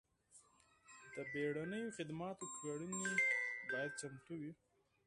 د بیړنیو خدماتو کړنې باید چمتو وي.